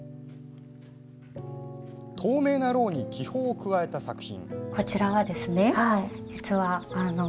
透明な、ろうに気泡を加えた作品。